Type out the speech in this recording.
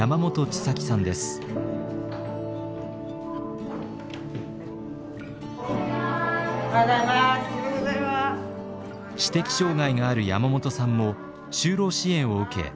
知的障害がある山本さんも就労支援を受け